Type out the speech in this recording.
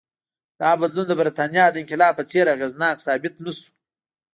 دا بدلون د برېټانیا د انقلاب په څېر اغېزناک ثابت نه شو.